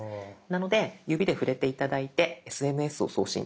なので指で触れて頂いてＳＭＳを送信